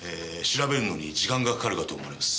調べるのに時間がかかるかと思われます。